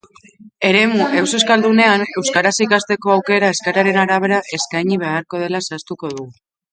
Eremu ez euskaldunean euskaraz ikasteko aukera eskaeraren arabera eskaini beharko dela zehaztuko du.